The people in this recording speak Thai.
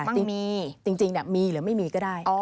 ต้องมีจรรยายก็มีหรือไม่มีก็ได้